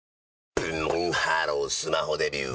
ブンブンハロースマホデビュー！